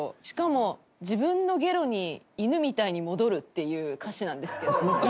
しかも「自分のゲロに犬みたいに戻る」っていう歌詞なんですけど。